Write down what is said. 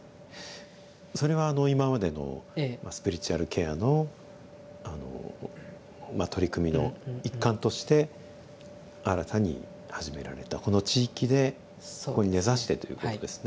それは今までのスピリチュアルケアの取り組みの一環として新たに始められたこの地域でここに根ざしてということですね。